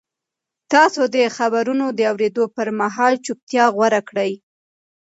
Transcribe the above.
تاسو د خبرونو د اورېدو پر مهال چوپتیا غوره کړئ.